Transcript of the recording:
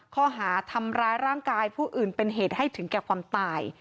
ข้อหาทำร้ายร่างกายผู้อื่นเป็นเหตุให้ถึงแก่ความตาย